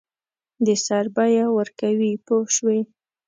د سر بیه ورکوي پوه شوې!.